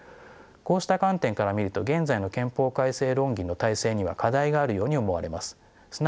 こうした観点から見ると現在の憲法改正論議の体制には課題があるように思われます。